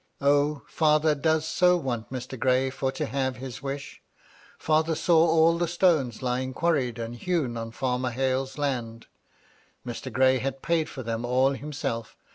O, fether does so want Mr. Gray for to have his wish ! Father saw all the stones lying quarried and hewn on Farmer Hale's land ; Mr. Gray had psdd for them all himself.